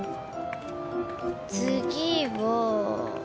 つぎは。